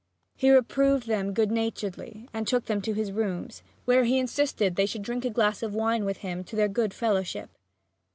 He reproved them good naturedly and took them to his rooms, where he insisted they should drink a glass of wine with him to their good fellowship.